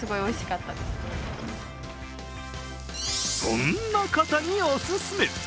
そんな方にお勧め。